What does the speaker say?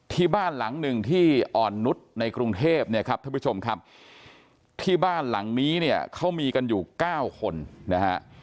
ที่บ้านหลังหนึ่งที่อ่อนนุษย์ในกรุงเทพเนี่ยครับท่านผู้ชมครับที่บ้านหลังนี้เนี่ยเขามีกันอยู่๙คนนะฮะ